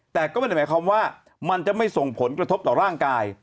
แต่ก็ไม่ได้หมายความว่ามันจะไม่ส่งผลกระทบต่อร่างกาย